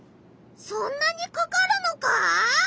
そんなにかかるのか！？